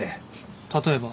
例えば？